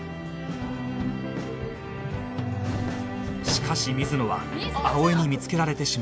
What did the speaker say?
しかし水野は葵に見つけられてしまう